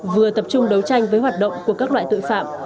vừa tập trung đấu tranh với hoạt động của các loại tội phạm